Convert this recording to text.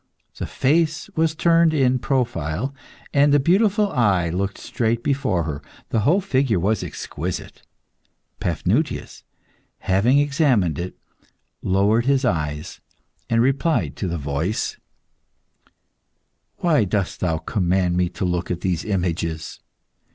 The face was turned in profile, and the beautiful eye looked straight before her. The whole figure was exquisite. Paphnutius having examined it, lowered his eyes, and replied to the voice "Why dost thou command me to look at these images?